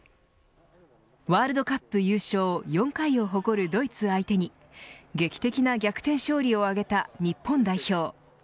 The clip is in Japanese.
ワールドカップ優勝４回を誇るドイツ相手に劇的な逆転勝利を挙げた日本代表。